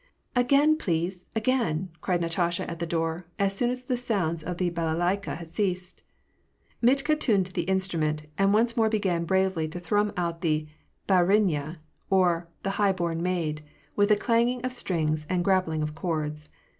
"Again, please, again," cried Natasha at the door, as soon as the sounds of the balalaika had ceased. Mitka tuned the in strument, and once more began bravely to thrum out the Bd ruint/a, or " The High born Maid," with a clanging of strings and grappling of chords.